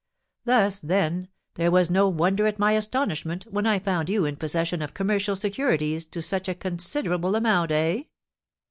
Thus, then, there was no wonder at my astonishment when I found you in possession of commercial securities to such a considerable amount, eh?"